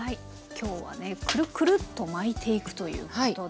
今日はねクルクルッと巻いていくということで。